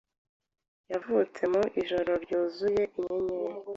cyavutse mu ijoro ryuzuye inyenyeri